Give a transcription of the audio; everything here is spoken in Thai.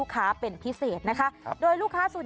ก็ได้